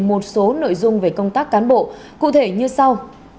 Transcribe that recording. một số nội dung về công tác cán bộ cụ thể như sau